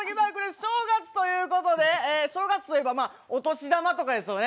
正月ということで正月といえばお年玉とかですよね。